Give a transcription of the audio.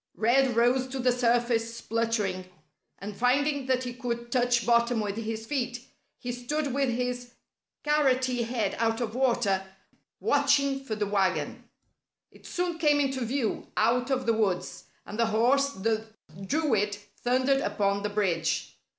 Red rose to the surface spluttering. And finding that he could touch bottom with his feet, he stood with his carroty head out of water, watching for the wagon. It soon came into view, out of the woods, and the horse that drew it thundered upon the bridge.